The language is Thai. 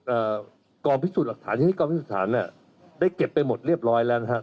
พนักงานกรพิสูจน์หลักฐานที่นี่กรพิสูจน์หลักฐานเนี้ยได้เก็บไปหมดเรียบร้อยแล้วนะครับ